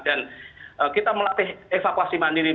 dan kita melatih evakuasi